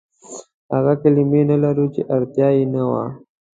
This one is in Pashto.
هغه کلمې نه لرو، چې اړتيا يې نه وه.